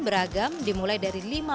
beragam dimulai dari